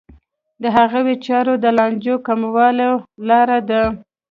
د هغوی چاره د لانجو کمولو لاره ده.